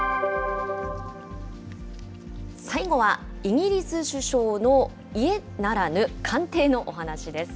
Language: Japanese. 最後はイギリス首相の家ならぬ、官邸のお話です。